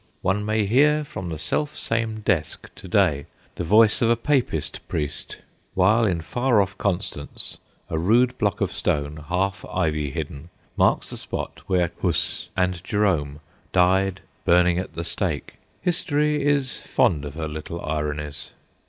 One may hear from the selfsame desk to day the voice of a Papist priest, while in far off Constance a rude block of stone, half ivy hidden, marks the spot where Huss and Jerome died burning at the stake. History is fond of her little ironies.